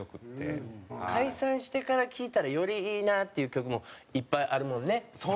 解散してから聴いたらよりいいなっていう曲もいっぱいあるもんね？